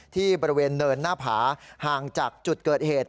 ที่บริเวณเนินหน้าผาห่างจากจุดเกิดเหตุ